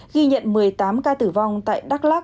ghi nhận một mươi tám ca tử vong tại đắk lắc